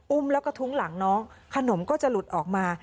แล้วก็ทุ้งหลังน้องขนมก็จะหลุดออกมา